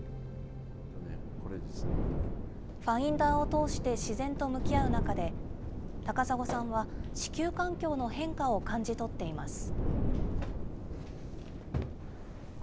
そして自然と向き合う中で、高砂さんは地球環境の変化を感じ取っています。